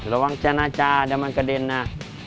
ระวังจานาจาเดี๋ยวมันกระเด็นนะ